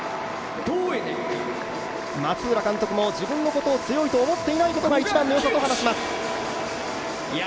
松浦監督も自分のことを強いと思っていないことが一番のよさと話しています。